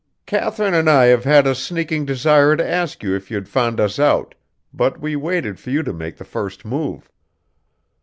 "Katharine and I have had a sneaking desire to ask you if you'd found us out, but we waited for you to make the first move."